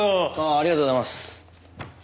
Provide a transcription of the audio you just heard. ありがとうございます。